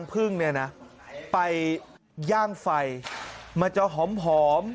เคยกินหมกรังพึ่งไหม